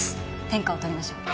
天下を取りましょう。